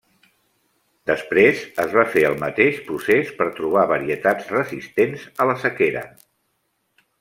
Després es va fer el mateix procés per trobar varietats resistents a la sequera.